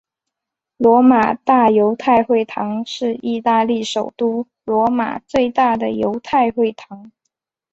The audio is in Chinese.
罗马大犹太会堂是意大利首都罗马最大的犹太会堂。